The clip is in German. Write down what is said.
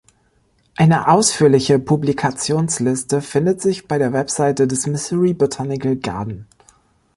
Eine ausführliche Publikationsliste findet sich bei der Website des Missouri Botanical Garden.